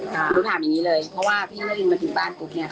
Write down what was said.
จำถามอย่างงี้เลยเพราะว่าพี่เอิลอันนี้มาถึงบ้านปุกเนี้ย